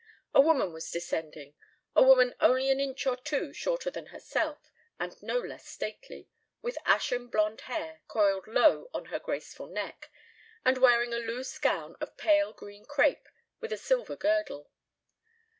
A woman was descending, a woman only an inch or two shorter than herself and no less stately, with ashen blonde hair coiled low on her graceful neck and wearing a loose gown of pale green crepe with a silver girdle.